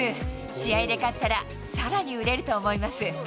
試合で勝ったら、さらに売れると思います。